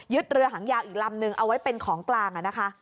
เรือหางยาวอีกลำนึงเอาไว้เป็นของกลางนะคะ